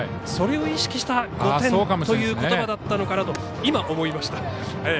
それを意識した５点という言葉だったのかなと今、思いました。